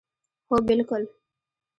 هو بلکل